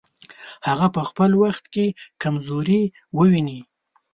هغه په خپل وخت کې کمزوري وویني.